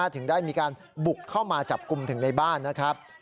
ถึงได้มีการบุกเข้ามาจับกลุ่มถึงในบ้านนะครับ